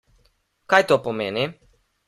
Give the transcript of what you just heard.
Kaj to pomeni?